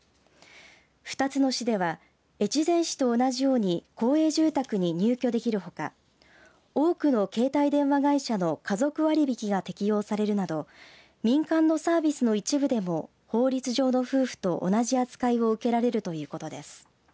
２つの市では越前市と同じように公営住宅に入居できるほか多くの携帯電話会社の家族割引が適用されるなど民間のサービスの一部でも法律上の夫婦と同じ扱いを受けられるということです。